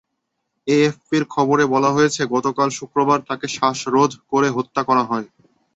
এএফপির খবরে বলা হয়েছে, গতকাল শুক্রবার তাঁকে শ্বাসরোধ করে হত্যা করা হয়।